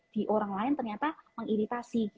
di orang lain ternyata mengiritasi